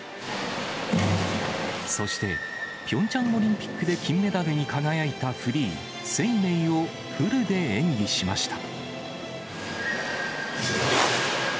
そして、ピョンチャンオリンピックで金メダルに輝いたフリー、ＳＥＩＭＥＩをフルで演技しました。